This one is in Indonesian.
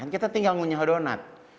kita tinggal ngunyah donat